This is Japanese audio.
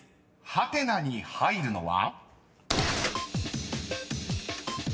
ハテナに入るのは？］